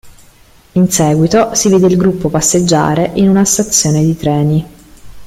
In seguito, si vede il gruppo passeggiare in una stazione di treni.